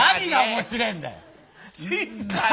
静かに。